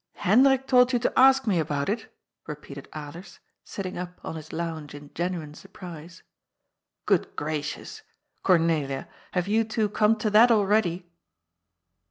'* '^Hendrik told you to ask me about it!" repeated Alers, sitting up on his lounge in genuine surprise. *'Good gracious! Cornelia, have you two come to that already?"